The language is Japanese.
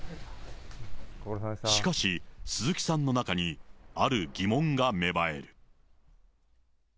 しかし、鈴木さんの中にある疑問が芽生える。